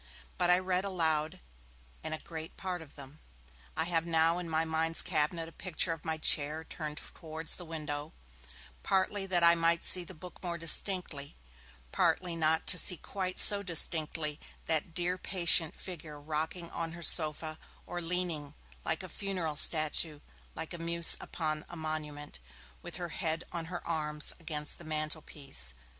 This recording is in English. But I read aloud in a great part of them. I have now in my mind's cabinet a picture of my chair turned towards the window, partly that I might see the book more distinctly, partly not to see quite so distinctly that dear patient figure rocking on her sofa, or leaning, like a funeral statue, like a muse upon a monument, with her head on her arms against the mantelpiece.